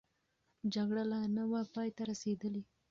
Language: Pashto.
جګړه لا نه وه پای ته رسېدلې.